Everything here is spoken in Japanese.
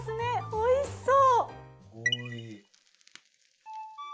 おいしそう。